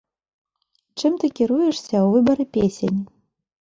Чым ты кіруешся ў выбары песень?